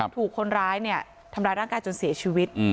ถูกคนร้ายทำร้ายร่างกายจนเสียชีวิต